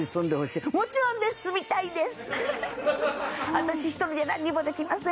私一人でなんにもできません！